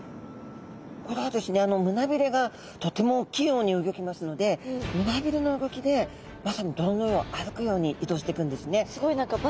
これはですね胸びれがとても器用にうギョきますので胸びれの動きでまさに泥の上を歩くように移動していくんですね。